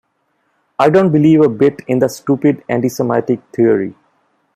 I don't believe a bit in the stupid anti-Semitic theory.